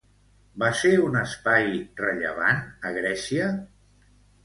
Va ser un espai rellevant a Grècia?